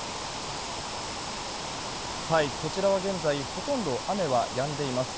こちらは現在ほとんど雨はやんでいます。